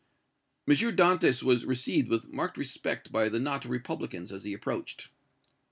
M. Dantès was received with marked respect by the knot of Republicans as he approached.